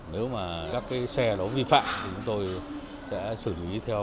nếu mà các xe nó vi phạm thì chúng tôi sẽ xử lý thế